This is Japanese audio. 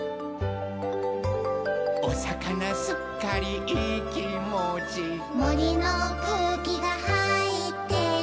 「おさかなすっかりいいきもち」「もりのくうきがはいってる」